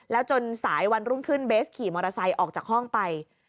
แล้วจนสายวันรุ่งขึ้นเบสขี่มอเตอร์ไซค์ออกจากห้องไป